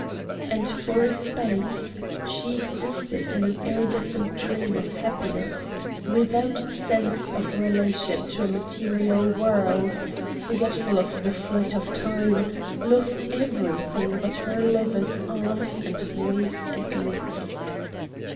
And for a space she existed in an iridescent dream of happiness, without sense of relation to a material world, forgetful of the flight of time, lost to everything but her lover's arms and voice and lips.